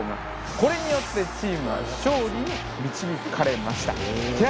これによってチームは勝利に導かれました。